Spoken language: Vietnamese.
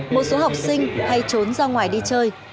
một số học sinh hay trốn ra ngoài đi chơi